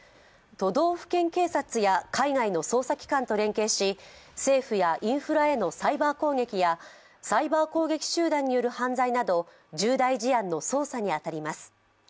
都道府県警察や海外の捜査機関と連携し政府やインフラへのサイバー攻撃やサイバー攻撃集団による犯罪など重大事案の捜査に当たります。